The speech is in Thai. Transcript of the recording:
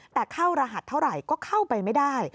แต่เข้ารหัสเท่าไหร่ก็เข้าไปไม่ได้